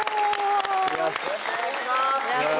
よろしくお願いします。